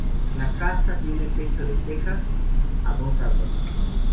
La casa tiene techo de tejas a dos aguas.